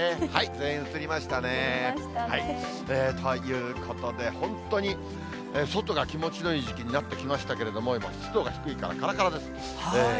全員、映りましたね。ということで、本当に外が気持ちのいい時期になってきましたけれども、今、湿度が低いからからからです。